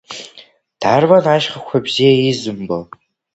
Дарбан ашьхақәа бзиа изымбо?!